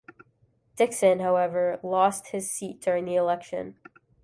Dixon, however, lost his seat during this election.